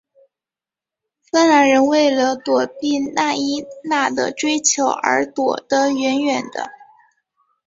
芬兰人为了躲避纳伊娜的追求而躲得远远的。